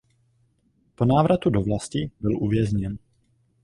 Po návratu do vlasti byl uvězněn.